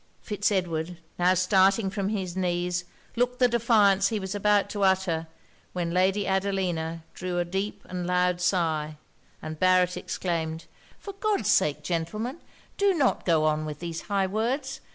Fitz Edward now starting from his knees, looked the defiance he was about to utter, when Lady Adelina drew a deep and loud sigh, and Barret exclaimed 'For God's sake, gentlemen, do not go on with these high words.